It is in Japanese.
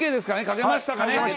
書けましたかね？